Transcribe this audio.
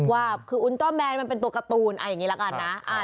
ว่าคืออุลจอร์แมนมันเป็นตัวการ์ตูนอย่างนี้ละกันนะ